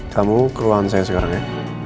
kamu keluhan saya sekarang ya